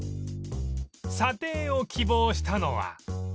査定を希望したのはこちら